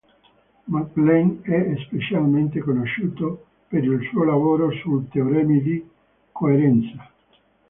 Mac Lane è specialmente conosciuto per il suo lavoro sui teoremi di coerenza.